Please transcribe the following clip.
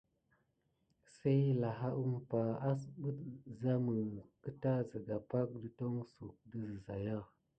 Sey lahaa umpa, asɓet zamə kəta zega pake dətonsuk də zəzaya.